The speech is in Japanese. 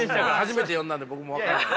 初めて読んだんで僕も分からない。